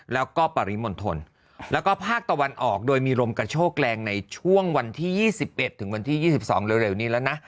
แล้วก็ปริมณฑลแล้วก็ภาคตะวันออกโดยมีลมกระโชกแรงในช่วงวันที่๒๑ถึงวันที่๒๒เร็วนี้แล้วนะ